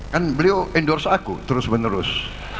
kan beliau endorse aku terus menerus